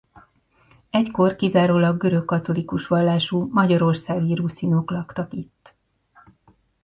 Egykor kizárólag görögkatolikus vallású magyarországi ruszinok laktak itt.